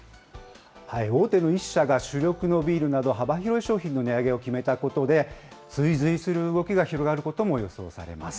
大手の１社が主力のビールなど幅広い商品の値上げを決めたことで、追随する動きが広がることも予想されます。